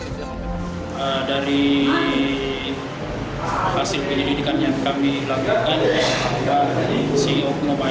dari hasil pendidikan yang kami lakukan si okno paes ini merasa tidak berhasil dengan sistem yang berjalan di kantornya